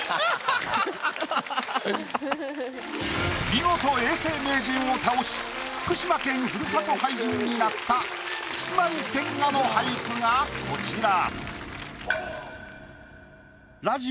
見事永世名人を倒し福島県ふるさと俳人になったキスマイ・千賀の俳句がこちら。